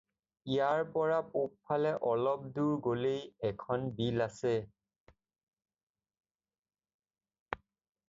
ইয়াৰ পৰা পূবফালে অলপ দূৰ গ'লেই এখন বিল আছে।